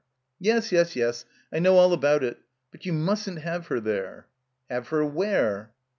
Yes, yes, yes. I know all about it. But you mustn't have her there." "Have her where?"